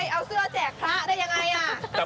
เอาเสื้อแจกพระได้ยังไง